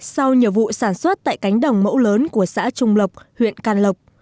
sau nhiều vụ sản xuất tại cánh đồng mẫu lớn của xã trung lộc huyện can lộc